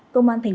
công an tp hcm